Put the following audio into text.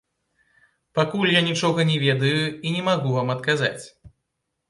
Пакуль я нічога не ведаю і не магу вам адказаць.